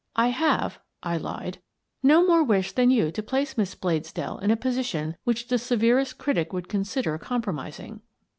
I have," I lied, " no more wish than yourself to place Miss Bladesdell in a position which the severest critic could consider compromising."